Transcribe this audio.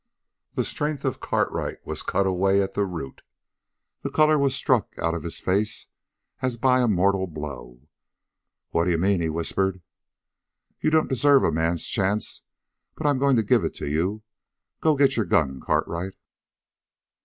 The strength of Cartwright was cut away at the root. The color was struck out of his face as by a mortal blow. "What d'you mean?" he whispered. "You don't deserve a man's chance, but I'm going to give it to you. Go get your gun, Cartwright!"